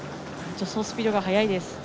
助走スピードが速いです。